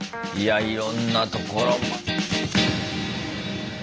いやいろんなところ。